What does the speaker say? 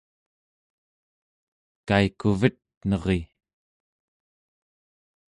kaikuvet, neri